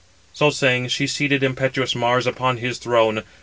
So saying, she seated impetuous Mars upon his throne.